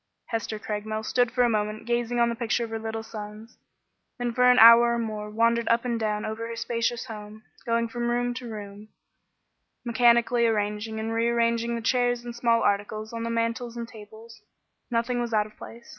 Hester Craigmile stood for a moment gazing on the picture of her little sons, then for an hour or more wandered up and down over her spacious home, going from room to room, mechanically arranging and rearranging the chairs and small articles on the mantels and tables. Nothing was out of place.